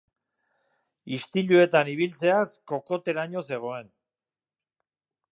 Istiluetan ibiltzeaz kokoteraino zegoen.